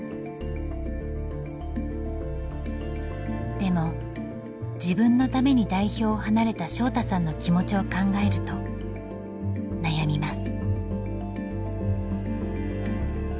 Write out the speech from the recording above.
でも自分のために代表を離れた翔大さんの気持ちを考えると悩みます。